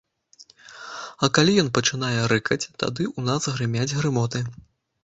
А калі ён пачынае рыкаць, тады ў нас грымяць грымоты.